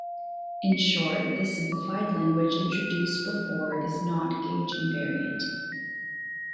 In short, the simplified language introduced before is not gauge invariant.